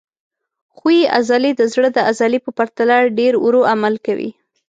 ښویې عضلې د زړه د عضلې په پرتله ډېر ورو عمل کوي.